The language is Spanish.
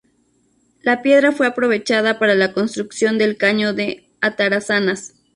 La piedra fue aprovechada para la construcción del caño de Atarazanas.